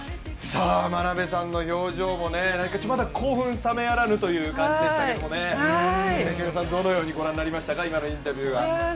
眞鍋さんの表情も、まだ興奮冷めやらぬという感じでしたけどどのようにご覧になりましたか、今のインタビューは。